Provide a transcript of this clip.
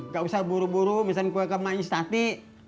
gak usah buru buru mesen kue ke manja si tati